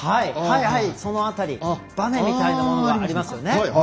その辺りばねみたいなものがありますよね。